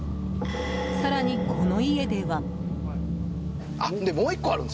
更に、この家では。